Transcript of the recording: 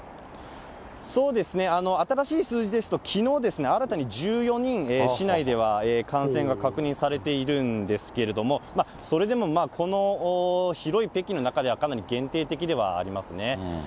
新しい数字ですと、きのうですね、新たに１４人、市内では感染が確認されているんですけれども、それでもこの広い北京の中では、かなり限定的ではありますね。